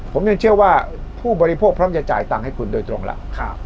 ผมยังเชื่อว่าผู้บริโภคพร้อมจะจ่ายตังค์ให้คุณโดยตรงแล้ว